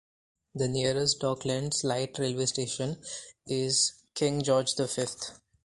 The nearest Docklands Light Railway station is King George the Fifth.